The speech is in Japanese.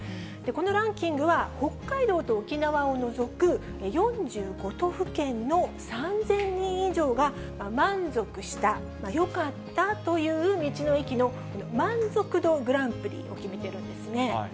このランキングは、北海道と沖縄を除く４５都府県の３０００人以上が、満足した、よかったという道の駅の満足度グランプリを決めているんですね。